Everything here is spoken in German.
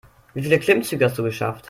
Wie viele Klimmzüge hast du geschafft?